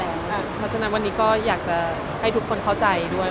เพราะฉะนั้นวันนี้ก็อยากจะให้ทุกคนเข้าใจด้วย